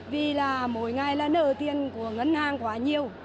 vì là mỗi ngày là nợ tiền của ngân hàng quá nhiều